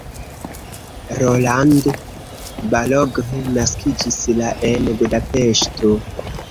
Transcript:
Roland Balogh naskiĝis la en Budapeŝto.